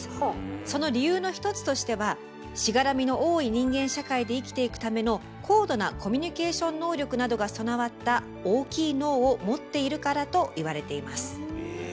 その理由の一つとしてはしがらみの多い人間社会で生きていくための高度なコミュニケーション能力などが備わった大きい脳を持っているからと言われています。